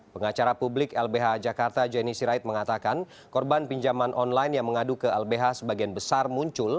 pengacara publik lbh jakarta jenny sirait mengatakan korban pinjaman online yang mengadu ke lbh sebagian besar muncul